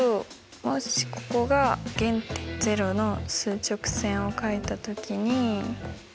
もしここが原点０の数直線を書いた時に。